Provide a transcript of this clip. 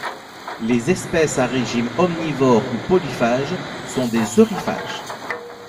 Les espèces à régime omnivore ou polyphage sont des euryphages.